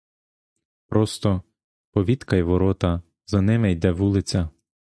Просто — повітка й ворота; за ними йде вулиця.